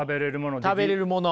食べれるもの。